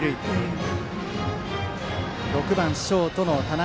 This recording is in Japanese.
バッター、６番ショートの田中。